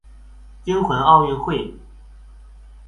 驚魂奧運會